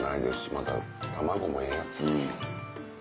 また卵もええやつ。